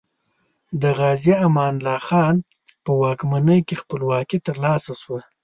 د غازي امان الله خان په واکمنۍ کې خپلواکي تر لاسه شوه.